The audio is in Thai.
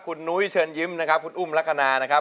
คุณนุ้ยเชิญยิ้มคุณอุ้มลักษณา